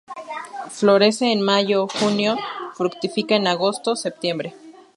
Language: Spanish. Florece en Mayo-junio, fructifica en Agosto-septiembre.